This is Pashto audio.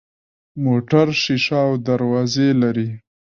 موټر شیشه او دروازې لري.